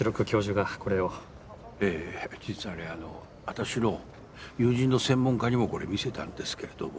私の友人の専門家にもこれ見せたんですけれども。